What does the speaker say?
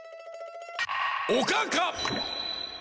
おかかっ！